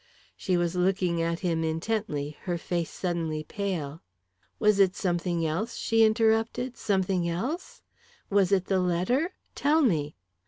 She was looking at him intently, her face suddenly pale. "Was it something else?" she asked. "Something else? Was it the letter? Tell me!"